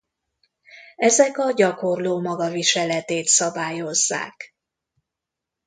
Ezek a gyakorló magaviseletét szabályozzák.